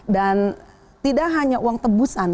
dan tidak hanya uang tebusan